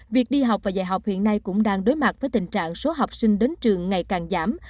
việc đi học và dạy học hiện nay cũng đang đối mặt với tình trạng số học sinh đến trường ngày càng giảm